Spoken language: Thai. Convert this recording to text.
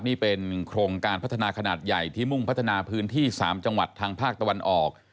นี่เป็นโครงการพัฒนาขนาดใหญ่ที่มุ่งพัฒนาพื้นที่๓จังหวัดทางภาคตะวันออก